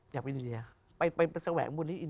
อยากไปอินเดียไปแสวงบุญให้อินเดีย